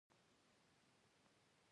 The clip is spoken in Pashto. کله چې پر شوې واوره نوره واوره ورېږي